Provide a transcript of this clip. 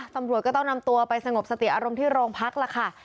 ตำรวจก็ต้องนำตัวไปสงบสติอารมณ์ที่โรงพักล่ะค่ะ